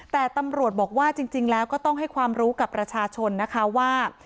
แต่ตำรวจบอกว่าจริงแล้วก็ต้องให้ความรู้กับประชาชนนะคะว่า